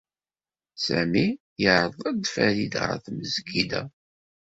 Sami yeɛreḍ-d Farid ɣer tmesgida.